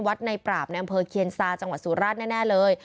ในปราบในอำเภอเคียนซาจังหวัดสุราชแน่เลย